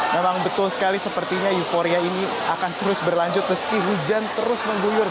memang betul sekali sepertinya euforia ini akan terus berlanjut meski hujan terus mengguyur